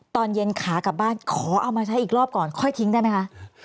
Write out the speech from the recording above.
ตอนเย็นขากลับบ้านขอเอามาใช้อีกรอบก่อนค่อยทิ้งได้ไหมคะ